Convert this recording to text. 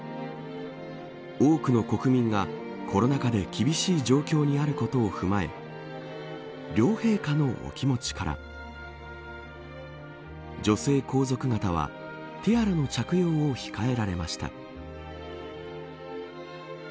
多くの国民がコロナ禍で厳しい状況にあることを踏まえ両陛下のお気持ちから女性皇族方はティアラの着用を控えられました。